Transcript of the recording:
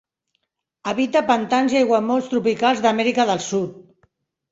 Habita pantans i aiguamolls tropicals d'Amèrica del Sud.